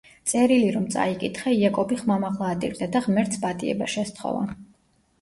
წერილი რომ წაიკითხა, იაკობი ხმამაღლა ატირდა და ღმერთს პატიება შესთხოვა.